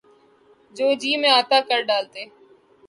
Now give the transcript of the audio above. جو جی میں آتا کر ڈالتے۔